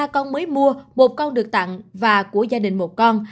một mươi ba con mới mua một con được tặng và của gia đình một con